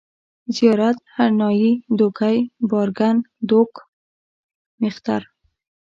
زيارت، هرنايي، دوکۍ، بارکن، دوگ، مېختر